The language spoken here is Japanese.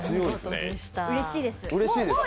うれしいです。